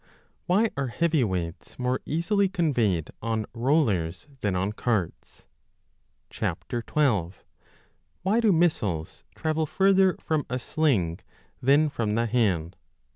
Why are heavy weights more easily conveyed on rollers than on carts ? 12. Why do missiles travel further from a sling than from the hand?